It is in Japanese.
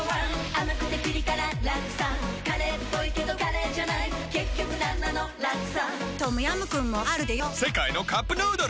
甘くてピリ辛ラクサカレーっぽいけどカレーじゃない結局なんなのラクサトムヤムクンもあるでヨ世界のカップヌードル